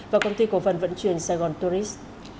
và công ty cổ phần vận chuyển sài gòn tourist